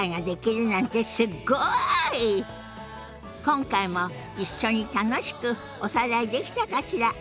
今回も一緒に楽しくおさらいできたかしら？